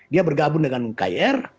dia bergabung dengan kir